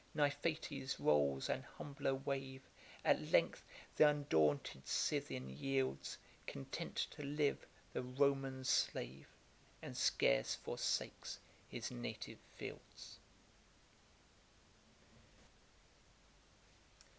Niphates rolls an humbler wave, At length the undaunted Scythian yields, Content to live the Roman's slave, And scarce forsakes his native fields.